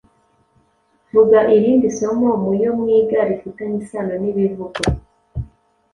Vuga irindi somo mu yo mwiga rifitanye isano n’ibivugwa